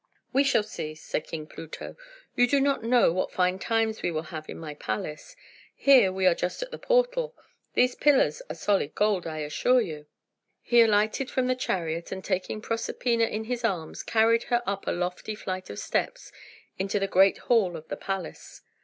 "We shall see," said King Pluto. "You do not know what fine times we will have in my palace. Here we are just at the portal. These pillars are solid gold, I assure you." He alighted from the chariot, and taking Proserpina in his arms, carried her up a lofty flight of steps into the great hall of the palace.